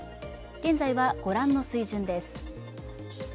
現在は御覧の水準です。